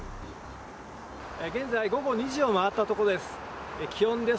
現在、午後２時を回ったところです。